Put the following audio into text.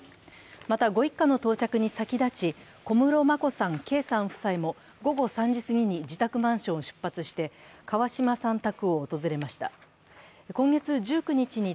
またご一家の到着に先立ち小室眞子さん、圭さん夫妻も午後３時すぎに自宅マンションを出発して、川嶋さん宅を訪れました。